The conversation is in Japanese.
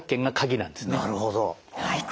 なるほど。